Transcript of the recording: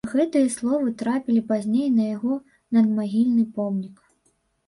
Гэтыя словы трапілі пазней на яго надмагільны помнік.